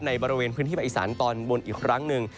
ในบริเวณพื้นที่ภาคอีสานตอนบนอีกครั้งหนึ่ง